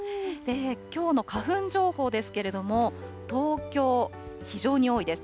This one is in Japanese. きょうの花粉情報ですけれども、東京、非常に多いです。